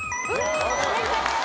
正解です。